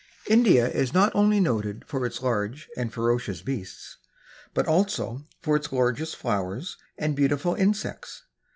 India is not only noted for its large and ferocious beasts, but also for its gorgeous flowers and beautiful insects.